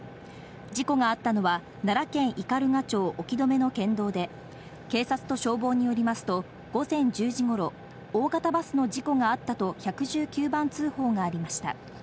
事故があったのは奈良県斑鳩町興留の県道で、警察と消防によりますと午前１０時頃、大型バスの事故があったと１１９番通報がありました。